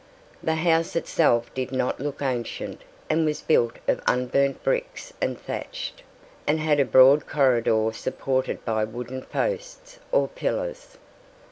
The house itself did not look ancient, and was built of unburnt bricks and thatched, and had a broad corridor supported by wooden posts or pillars.